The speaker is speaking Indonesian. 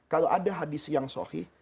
kalau ada hadis yang sohih